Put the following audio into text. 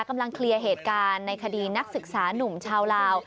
กำลังเคลียร์เหตุการณ์ในคดีนักศึกษานุ่มชาวลาว